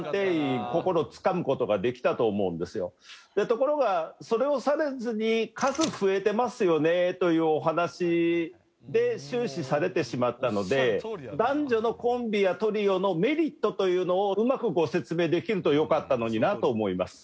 ところがそれをされずに数増えてますよねというお話で終始されてしまったので男女のコンビやトリオのメリットというのをうまくご説明できるとよかったのになと思います。